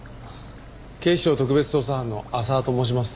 警視庁特別捜査班の浅輪と申します。